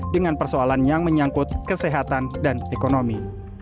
dengan persoalan yang menyangkut kesehatan dan ekonomi